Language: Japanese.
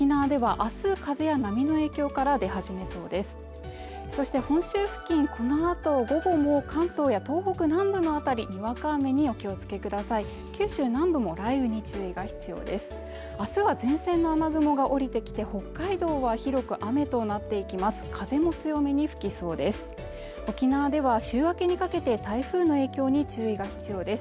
明日は前線の雨雲が降りてきて北海道は広く雨となっていきます